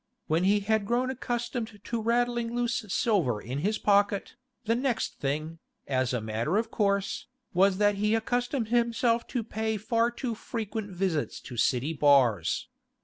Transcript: When he had grown accustomed to rattling loose silver in his pocket, the next thing, as a matter of course, was that he accustomed himself to pay far too frequent visits to City bars.